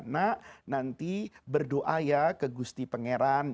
nak nanti berdoa ya ke gusti pengeran